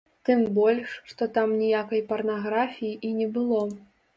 Тым больш, што там ніякай парнаграфіі і не было.